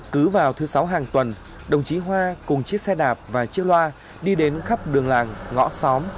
cứ vào thứ sáu hàng tuần đồng chí hoa cùng chiếc xe đạp và chiếc loa đi đến khắp đường làng ngõ xóm